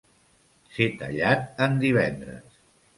Ser tallat en divendres.